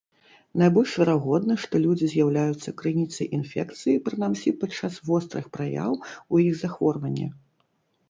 Найбольш верагодна, што людзі з'яўляюцца крыніцай інфекцыі прынамсі падчас вострых праяў у іх захворвання.